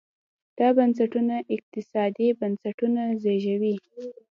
دا بنسټونه اقتصادي بنسټونه زېږوي.